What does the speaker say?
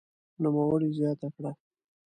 نوموړي زياته کړه